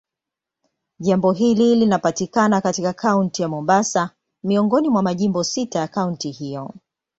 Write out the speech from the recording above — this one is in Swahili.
Jimbo hili linapatikana katika Kaunti ya Mombasa, miongoni mwa majimbo sita ya kaunti hiyo.